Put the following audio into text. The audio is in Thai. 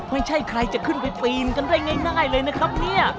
ไม่ใช่ใครจะขึ้นไปปีนกันได้ง่ายเลยนะครับเนี่ย